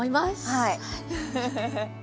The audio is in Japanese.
はい。